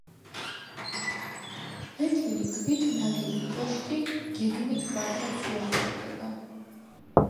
ფლეთილი ქვით ნაგები კოშკი გეგმით კვადრატს უახლოვდება.